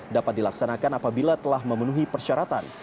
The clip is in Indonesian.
dapat dilaksanakan apabila telah memenuhi persyaratan